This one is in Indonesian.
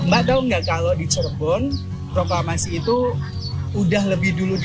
mbak tau gak kalau di cirebon proklamasi itu sudah lebih dulu diumumkan